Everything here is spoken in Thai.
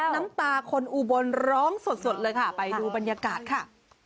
น้ำตาคนอุบลร้องสดเลยค่ะไปดูบรรยากาศค่ะ